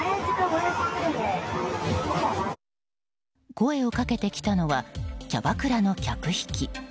声をかけてきたのはキャバクラの客引き。